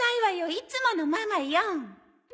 いつものママよ。